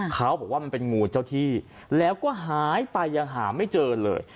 เขาบอกว่ามันเป็นงูเจ้าที่แล้วก็หายไปยังหาไม่เจอเลย